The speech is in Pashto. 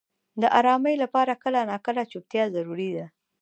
• د آرامۍ لپاره کله ناکله چوپتیا ضروري ده.